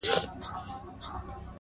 • د زنده گۍ ياري كړم؛